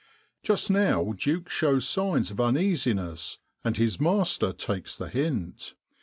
143 Just now Duke shows signs of uneasiness and his master takes the hint.